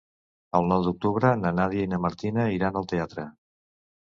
El nou d'octubre na Nàdia i na Martina iran al teatre.